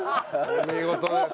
お見事です。